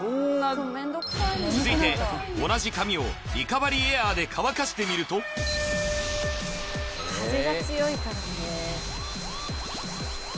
続いて同じ髪をリカバリーエアーで乾かしてみると・風が強いからね